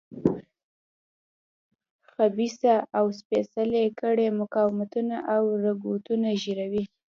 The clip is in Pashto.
خبیثه او سپېڅلې کړۍ مقاومتونه او رکودونه زېږوي.